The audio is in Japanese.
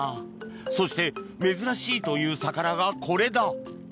そして珍しいという魚がこれだ。